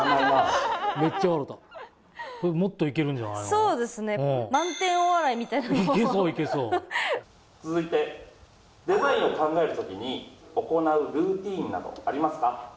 そうですねみたいないけそういけそう続いてデザインを考えるときに行うルーティンなどありますか？